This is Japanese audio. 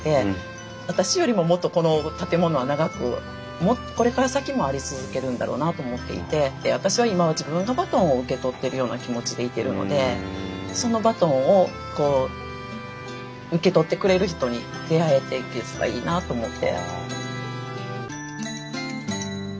私よりももっとこの建物は長くもっとこれから先もあり続けるんだろうなと思っていて私は今自分がバトンを受け取ってるような気持ちでいてるのでそのバトンを受け取ってくれる人に出会えていければいいなと思って。